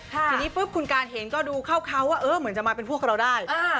ทีนี้ปุ๊บคุณการเห็นก็ดูเข้าเขาว่าเออเหมือนจะมาเป็นพวกเราได้